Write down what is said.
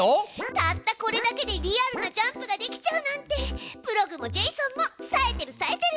たったこれだけでリアルなジャンプができちゃうなんてプログもジェイソンもさえてるさえてる！